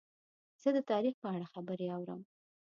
زه د تاریخ په اړه خبرې اورم.